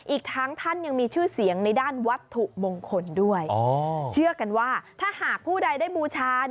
อีกทั้งท่านยังมีชื่อเสียงในด้านวัตถุมงคลด้วยเชื่อกันว่าถ้าหากผู้ใดได้บูชา